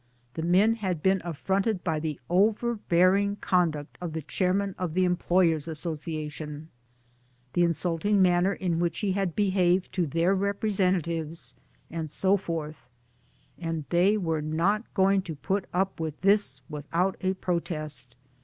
The men had been affronted by the overbearing conduct of the Chairman of the Employers' Association, the insulting manner in which he had behaved to their representatives, and so forth ; and they were not going to put up with 1 this without a protest.